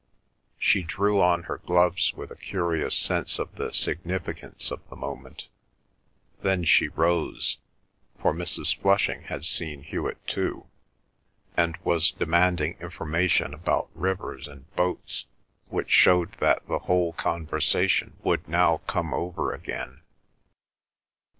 She drew on her gloves with a curious sense of the significance of the moment. Then she rose, for Mrs. Flushing had seen Hewet too, and was demanding information about rivers and boats which showed that the whole conversation would now come over again.